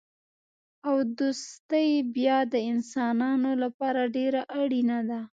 او دوستي بیا د انسانانو لپاره ډېره اړینه ده.